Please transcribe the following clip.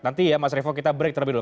nanti ya mas revo kita break terlebih dulu